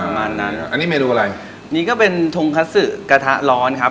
ประมาณนั้นครับอันนี้เมนูอะไรนี่ก็เป็นทงคัสสือกระทะร้อนครับ